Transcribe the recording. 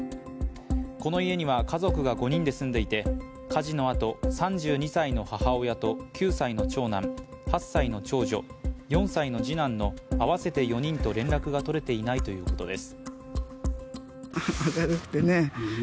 この家には家族が５人で住んでいて火事のあと３２歳の母親と９歳の長男８歳の長女、４歳の次男の合わせて４人と連絡が取れていないということです。